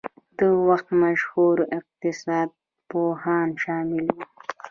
د وخت مشهور اقتصاد پوهان شامل وو.